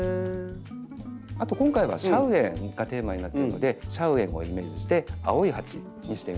あと今回は「シャウエン」がテーマになってるのでシャウエンもイメージして青い鉢にしてみました。